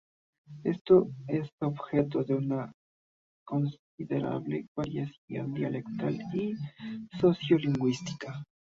Esto es objeto de una considerable variación dialectal y sociolingüística.